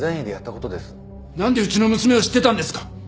なんでうちの娘を知ってたんですか？